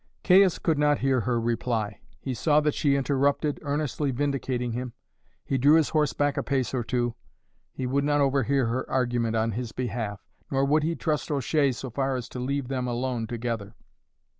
Caius could not hear her reply; he saw that she interrupted, earnestly vindicating him. He drew his horse back a pace or two; he would not overhear her argument on his behalf, nor would he trust O'Shea so far as to leave them alone together.